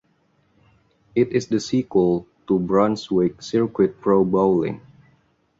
It is the sequel to "Brunswick Circuit Pro Bowling".